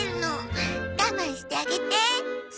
我慢してあげて。